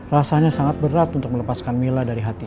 rasanya sangat berat untuk melepaskan mila dari hati